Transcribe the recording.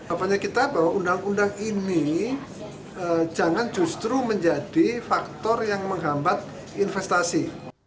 apanya kita bahwa undang undang ini jangan justru menjadi faktor yang menghambat investasi